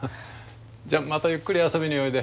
じゃあまたゆっくり遊びにおいで。